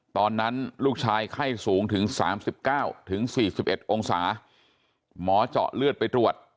ตอนนั้นลูกชายไข้สูงถึง๓๙๔๑องศาหมอเจาะเลือดไปตรวจ